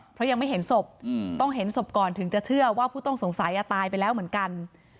เพราะยังไม่เห็นศพต้องเห็นศพก่อนถึงจะเชื่อว่าผู้ต้องสงสัยตายไปแล้วเหมือนกัน